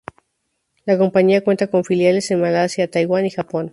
La compañía cuenta con filiales en Malasia, Taiwán y Japón.